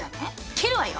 切るわよ！